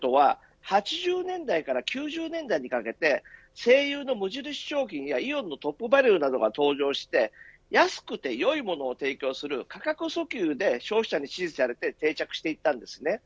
まずＰＢ１．０とは８０年代から９０年代にかけて西友の無印商品やイオンのトップバリュなどが登場して安くていいものを提供する価格訴求で消費者に支持されて定着していったんです。